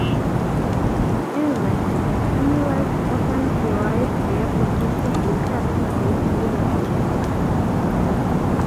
In Russia, amulets often derive their protective virtue in great measure from knots.